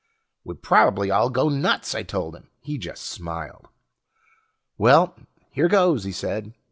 "We'd probably all go nuts!" I told him. He just smiled. "Well, here goes," he said.